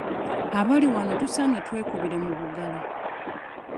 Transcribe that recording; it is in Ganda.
Abali wano tusaanye twekubire mu bugalo.